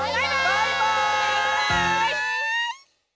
「バイバーイ！」